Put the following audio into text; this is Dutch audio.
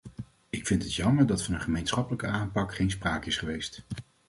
Ik vind het jammer dat van een gemeenschappelijke aanpak geen sprake is geweest.